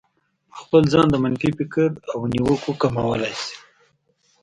په خپل ځان د منفي فکر او نيوکو کمولای شئ.